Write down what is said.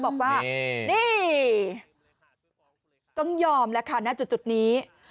บอกว่านี่ต้องยอมแล้วค่ะณจุดนี้